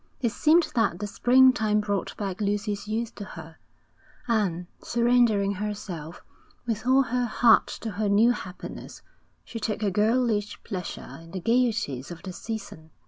It seemed that the springtime brought back Lucy's youth to her; and, surrendering herself with all her heart to her new happiness, she took a girlish pleasure in the gaieties of the season.